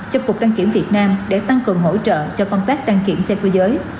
cho cục đăng kiểm việt nam để tăng cường hỗ trợ cho công tác đăng kiểm xe cơ giới